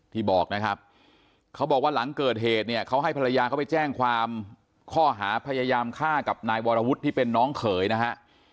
ที่บอกนะครับเขาบอกว่าหลังเกิดเหตุเนี่ยเขาให้ภรรยาเขาไปแจ้งความข้อหาพยายามฆ่ากับนายวรวุฒิที่เป็นน้องเขยนะฮะ